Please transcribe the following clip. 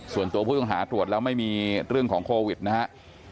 ส่วนตัวผู้ต้องหาตรวจแล้วไม่มีเรื่องของโควิดนะครับ